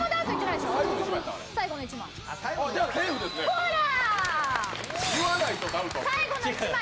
ほら！